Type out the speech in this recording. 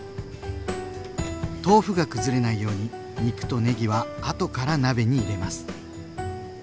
豆腐が崩れないように肉とねぎはあとから鍋に入れます。